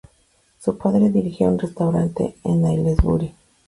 Su padre dirigía un restaurante en Aylesbury.